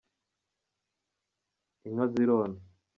inka zirona.